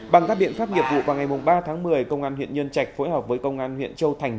bằng các biện pháp nghiệp vụ vào ngày ba tháng một mươi công an huyện nhân trạch phối hợp với công an huyện châu thành